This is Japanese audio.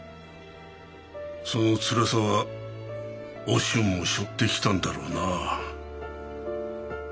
そのつらさはお俊もしょってきたんだろうなぁ。